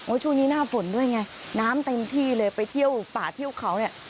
ช่วงนี้หน้าฝนด้วยไงน้ำเต็มที่เลยไปเที่ยวป่าเที่ยวเขาเนี่ย